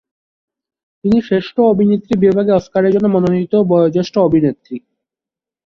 তিনি শ্রেষ্ঠ অভিনেত্রী বিভাগে অস্কারের জন্য মনোনীত বয়োজ্যেষ্ঠ অভিনেত্রী।